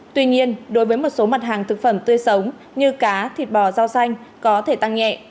tuy nhiên đối với một số mặt hàng thực phẩm tươi sống như cá thịt bò rau xanh có thể tăng nhẹ